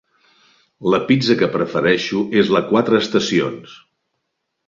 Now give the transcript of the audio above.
La pizza que prefereixo és la quatre estacions.